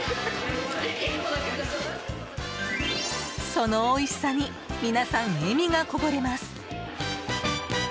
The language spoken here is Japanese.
そのおいしさに皆さん、笑みがこぼれます！